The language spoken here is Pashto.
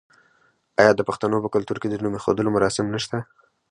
آیا د پښتنو په کلتور کې د نوم ایښودلو مراسم نشته؟